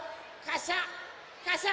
カシャ！